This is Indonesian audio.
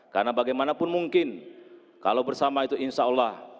karena bagaimanapun mungkin kalau bersama itu insyaallah